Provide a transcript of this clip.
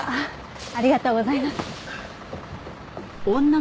ありがとうございます。